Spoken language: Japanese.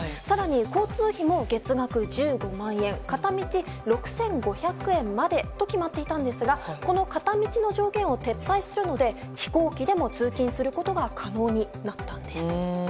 更に交通費も月額１５万円片道６５００円までと決まっていたんですがこの片道の条件を撤廃するので飛行機でも通勤することが可能になったんです。